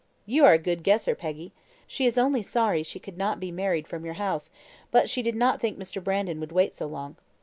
"You are a good guesser, Peggy. She is only sorry she could not be married from your house; but she did not think Mr. Brandon would wait so long."